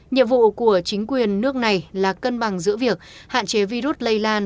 nhiệm vụ của chính quyền nước này là cân bằng giữa việc hạn chế virus lây lan